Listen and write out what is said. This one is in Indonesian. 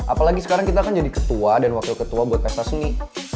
apalagi sekarang kita akan jadi ketua dan wakil ketua buat pesta seni